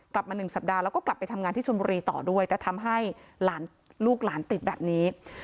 กลับมาหนึ่งสัปดาห์แล้วก็กลับไปทำงานที่ชนบุรีต่อด้วยแต่ทำให้หลานลูกหลานติดแบบนี้